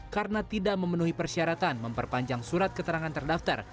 karena tidak memenuhi persyaratan memperpanjang surat keterangan terdaftar